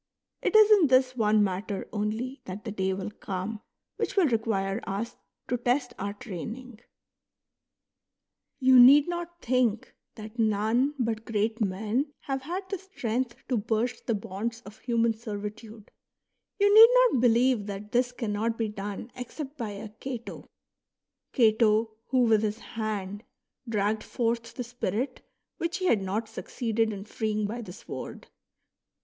It is in this one matter only that the day will come which will require us to test our training. You need not think that none but great men have had the strength to burst the bonds of human servitude ; you need not believe that this cannot be done except by a Cato, — Cato, who with his hand dragged forth the spirit which he had not succeeded in freeing by the sword.